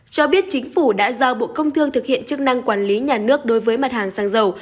cho biết chính phủ đã giao bộ công thương thực hiện chức năng quản lý nhà nước đối với mặt hàng xăng dầu